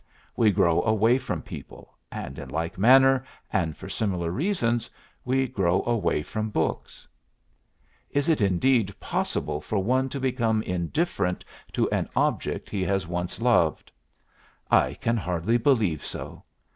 We grow away from people, and in like manner and for similar reasons we grow away from books." Is it indeed possible for one to become indifferent to an object he has once loved? I can hardly believe so.